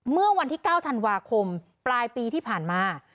เมื่อวันที่๙ธันวาคมปลายปีที่ผ่านมา